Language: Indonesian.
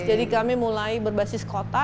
jadi kami mulai berbasis kota